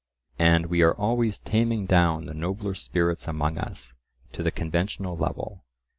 And we are always taming down the nobler spirits among us to the conventional level.